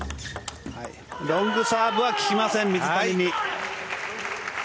ロングサーブは効きません水谷に。